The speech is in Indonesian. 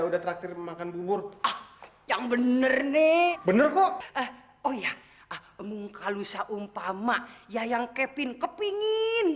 sudah terakhir makan bubur yang bener nih bener kok oh iya mungka lusa umpama yayang kepin kepingin